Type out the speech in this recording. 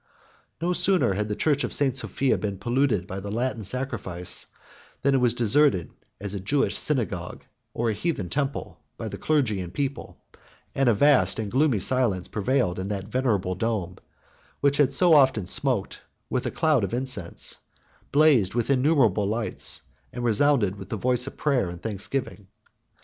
No sooner had the church of St. Sophia been polluted by the Latin sacrifice, than it was deserted as a Jewish synagogue, or a heathen temple, by the clergy and people; and a vast and gloomy silence prevailed in that venerable dome, which had so often smoked with a cloud of incense, blazed with innumerable lights, and resounded with the voice of prayer and thanksgiving.